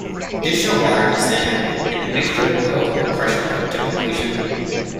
Additional water is then added, and the mixture boiled or pressure cooked to completion.